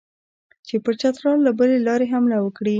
چې پر چترال له بلې لارې حمله وکړي.